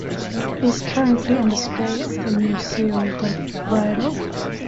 It is currently on display at the Museo del Prado.